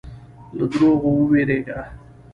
له دروغو وېرېږه.